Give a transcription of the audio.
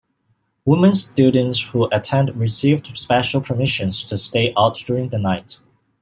Women students who attended received special permission to stay out during the night.